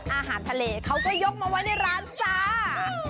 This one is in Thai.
อาหารทะเลเขาก็ยกมาไว้ในร้านจ้า